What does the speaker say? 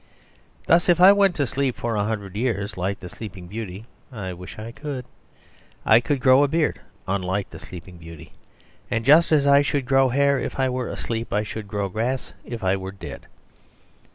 Thus, if I went to sleep for a hundred years, like the Sleeping Beauty (I wish I could), I should grow a beard unlike the Sleeping Beauty. And just as I should grow hair if I were asleep, I should grow grass if I were dead.